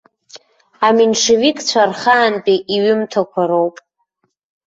Аменшевикцәа рхаантәи иҩымҭақәа роуп.